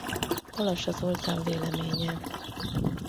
Balassa Zoltán véleménye.